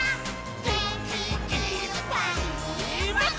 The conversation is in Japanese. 「げんきいっぱいもっと」